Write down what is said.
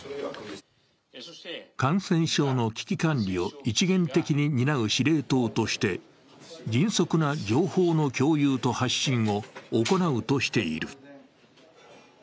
感染症の危機管理を一元的に担う司令塔として、迅速な情報の共有と発信を行うとしている。